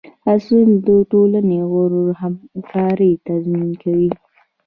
اصول د ټولنې د غړو همکارۍ تضمین کوي.